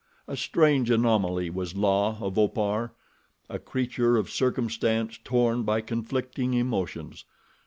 A strange anomaly was La of Opar—a creature of circumstance torn by conflicting emotions.